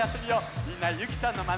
みんなゆきちゃんのまねっこしてね。